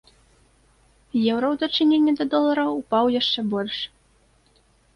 Еўра ў дачыненні да долара ўпаў яшчэ больш.